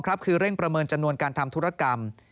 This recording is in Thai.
คือเร่งประเมินจำนวนการทำธุรกรรม